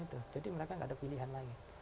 itu jadi mereka nggak ada pilihan lagi